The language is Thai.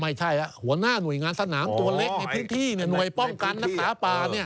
ไม่ใช่หัวหน้าหน่วยงานสนามตัวเล็กในพื้นที่หน่วยป้องกันรักษาป่า